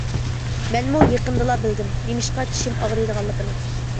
مەنمۇ يېقىندىلا بىلدىم، نېمىشقا چىشىم ئاغرىيدىغانلىقىنى.